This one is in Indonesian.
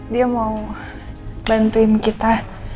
dia mau bantuin kita